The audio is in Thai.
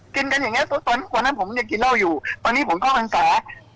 กินกันอย่างนี้วันนั้นผมกินเหล้าอยู่ตอนนี้ผมก็ฮังสา